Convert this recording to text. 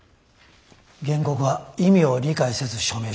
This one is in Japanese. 原告は意味を理解せず署名しました。